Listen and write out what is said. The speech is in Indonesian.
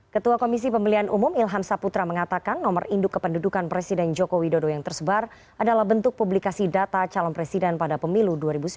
ketua komisi pemilihan umum ilham saputra mengatakan nomor induk kependudukan presiden joko widodo yang tersebar adalah bentuk publikasi data calon presiden pada pemilu dua ribu sembilan belas